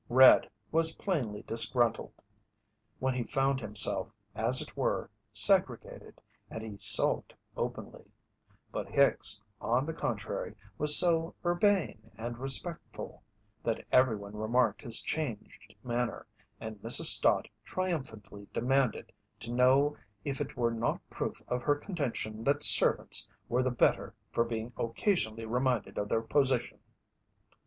"Red" was plainly disgruntled when he found himself, as it were, segregated, and he sulked openly; but Hicks, on the contrary, was so urbane and respectful that everyone remarked his changed manner, and Mrs. Stott triumphantly demanded to know if it were not proof of her contention that servants were the better for being occasionally reminded of their position.